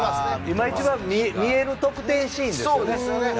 今、一番見える得点シーンですよね。